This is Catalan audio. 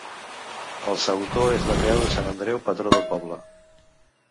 El sautor és la creu de Sant Andreu, patró del poble.